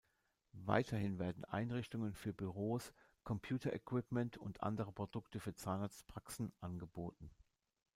Weiterhin werden Einrichtungen für Büros, Computer-Equipment und andere Produkte für Zahnarztpraxen angeboten.